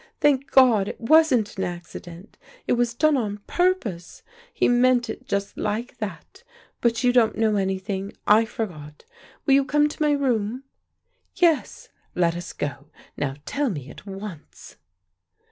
"Thank God it wasn't an accident. It was done on purpose. He meant it just like that. But you don't know anything; I forgot. Will you come to my room?" "Yes, let us go. Now tell me at once."